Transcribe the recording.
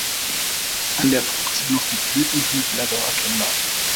An der Frucht sind noch die Blütenhüllblätter erkennbar.